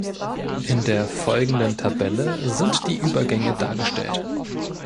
In der folgenden Tabelle sind die Übergänge dargestellt.